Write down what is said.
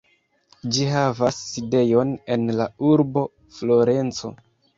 Ĝi havas sidejon en la urbo Florenco.